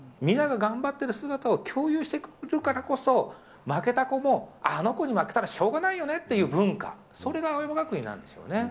皆が頑張ってる姿を共有してるからこそ、負けた子も、あの子に負けたらしょうがないよねっていう文化、それが青山学院なんですよ